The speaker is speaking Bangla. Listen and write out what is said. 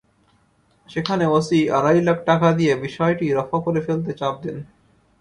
সেখানে ওসি আড়াই লাখ টাকা দিয়ে বিষয়টি রফা করে ফেলতে চাপ দেন।